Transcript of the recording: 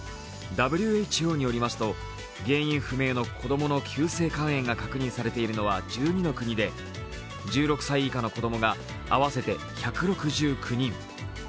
ＷＨＯによりますと、原因不明の子供の急性肝炎が確認されているのは１２の国で１６歳以下の子供が合わせて１６９人。